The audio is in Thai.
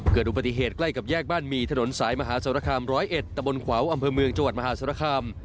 เกิดอุบัติเหตุใกล้กับแยกบ้านมีถนนสายมหาสรคาม๑๐๑ตะบนขวาวอำเภอเมืองจังหวัดมหาศาลคาม